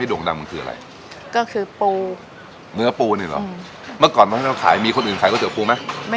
อ๋อนี่คือสนุนสุขุงวิทย์เหรอครับอืม